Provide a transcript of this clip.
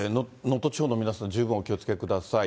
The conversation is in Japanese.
能登地方の皆さん、十分お気をつけください。